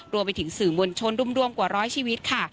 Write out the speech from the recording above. รวมไปถึงสื่อมวลชนรวมกว่าร้อยชีวิตค่ะ